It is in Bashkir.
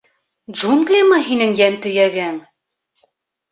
Джунглимы һинең йәнтөйәгең?